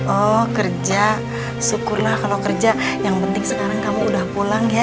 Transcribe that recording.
oh kerja syukurlah kalau kerja yang penting sekarang kamu udah pulang ya